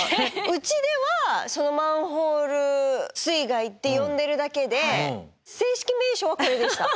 うちではマンホール水害って呼んでるだけで正式名称はこれでした。